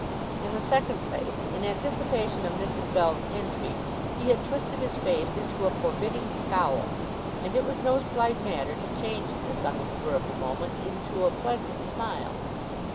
In the second place, in anticipation of Mrs. Bell's entry, he had twisted his face into a forbidding scowl, and it was no slight matter to change this on the spur of the moment into a pleasant smile.